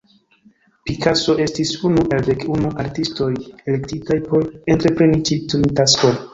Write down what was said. Picasso estis unu el dek unu artistoj elektitaj por entrepreni ĉi tiun taskon.